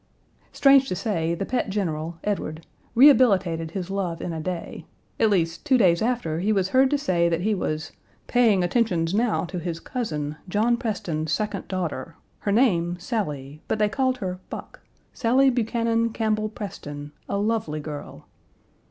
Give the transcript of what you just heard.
Strange to say, the pet general, Edward, rehabilitated his love in a day; at least two days after he was heard to say that he was "paying attentions now to his cousin, John Preston's second daughter; her name, Sally, but they called her Buck Sally Buchanan Campbell Preston, a lovely girl."